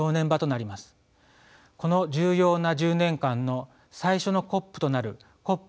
この重要な１０年間の最初のＣＯＰとなるＣＯＰ